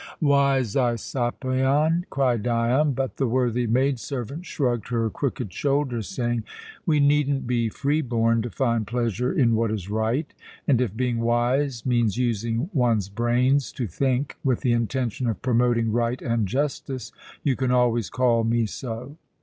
"Wise Aisopion!" cried Dion; but the worthy maid servant shrugged her crooked shoulders, saying: "We needn't be free born to find pleasure in what is right; and if being wise means using one's brains to think, with the intention of promoting right and justice, you can always call me so.